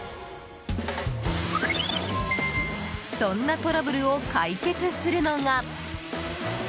そんなトラブルを解決するのが。